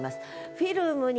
「フィルムに」